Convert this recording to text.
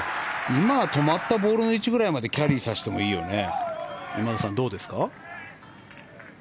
今の止まったボールの位置ぐらいまでキャリーさせてもいいよね。